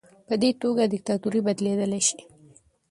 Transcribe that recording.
په دې توګه دیکتاتوري بدلیدلی شي.